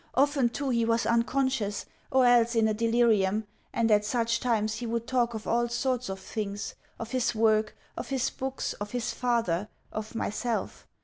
Often, too, he was unconscious, or else in a delirium; and at such times he would talk of all sorts of things of his work, of his books, of his father, of myself.